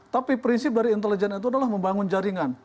tapi prinsip dari intelijen itu adalah membangun jaringan